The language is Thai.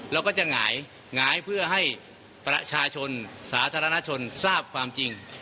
แล้วก็จะหงายเพื่อให้ประชาชนสาธารณชนทราบความจริง